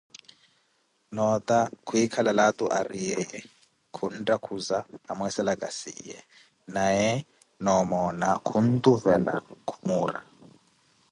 Noo ota kwikala laato ariwo ye, kunthakhuza amwessaka siye naye noo'omona khuntuvela khumuura